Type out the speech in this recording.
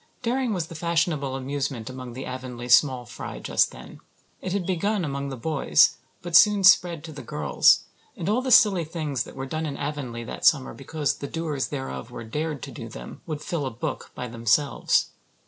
Daring was the fashionable amusement among the Avonlea small fry just then. It had begun among the boys, but soon spread to the girls, and all the silly things that were done in Avonlea that summer because the doers thereof were "dared" to do them would fill a book by themselves.